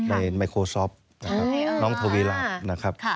ในไมโครซอฟต์น้องทวีราบนะครับ